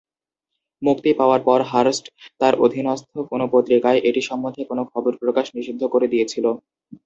মুক্তি পাওয়ার পর হার্স্ট তার অধীনস্থ কোন পত্রিকায় এটি সম্বন্ধে কোন খবর প্রকাশ নিষিদ্ধ করে দিয়েছিল।